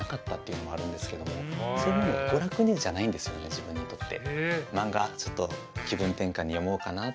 自分にとって。